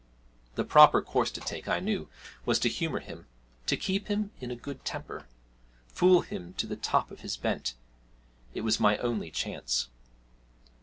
The proper course to take, I knew, was to humour him, to keep him in a good temper, fool him to the top of his bent it was my only chance.